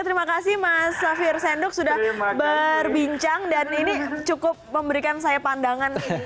terima kasih mas safir senduk sudah berbincang dan ini cukup memberikan saya pandangan